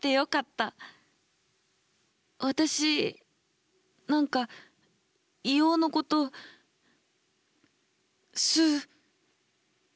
私何か硫黄のことすす。